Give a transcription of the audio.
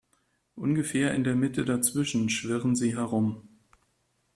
Ungefähr in der Mitte dazwischen schwirren sie herum.